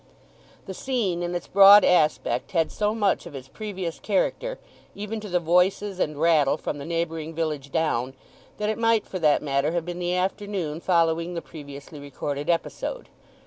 The scene in its broad aspect had so much of its previous character, even to the voices and rattle from the neighbouring village down, that it might for that matter have been the afternoon following the previously recorded episode.